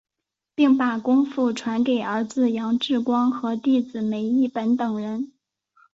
并把功夫传给儿子杨志光和弟子梅益本等人。